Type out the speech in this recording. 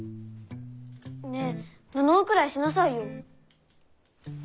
ねえ名乗るくらいしなさいよ。